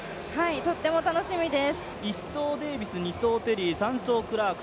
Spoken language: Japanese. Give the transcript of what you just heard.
とっても楽しみです。